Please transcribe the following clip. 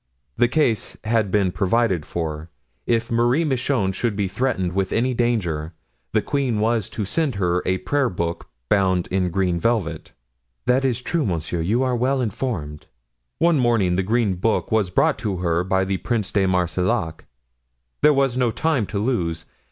The case had been provided for: if Marie Michon should be threatened with any danger the queen was to send her a prayer book bound in green velvet." "That is true, monsieur, you are well informed." "One morning the green book was brought to her by the Prince de Marsillac. There was no time to lose.